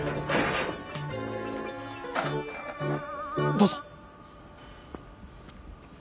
どうぞ。